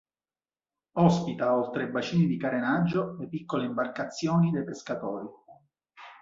Ospita oltre i bacini di carenaggio, le piccole imbarcazioni dei pescatori.